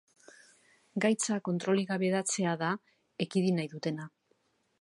Gaitza kontrolik gabe hedatzea da ekidin nahi dutena.